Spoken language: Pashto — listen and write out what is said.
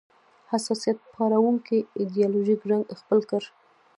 حساسیت پاروونکی ایدیالوژیک رنګ خپل کړ